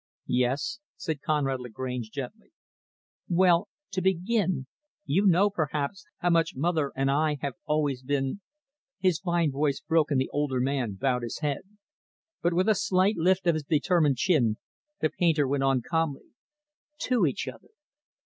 "Yes," said Conrad Lagrange, gently. "Well, to begin, you know, perhaps, how much mother and I have always been " his fine voice broke and the older man bowed his head; but, with a slight lift of his determined chin, the painter went on calmly "to each other.